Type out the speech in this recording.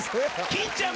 欽ちゃん